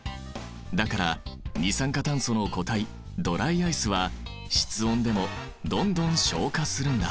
だから二酸化炭素の固体ドライアイスは室温でもどんどん昇華するんだ。